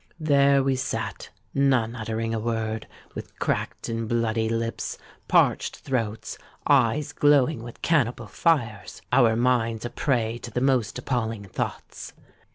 There we sate—none uttering a word,—with cracked and bloody lips—parched throats—eyes glowing with cannibal fires,—our minds a prey to the most appalling thoughts.